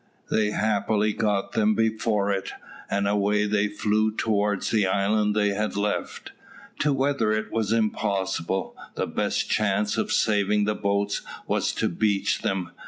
They happily got them before it, and away they flew towards the island they had left. To weather it was impossible. The best chance of saving the boats was to beach them.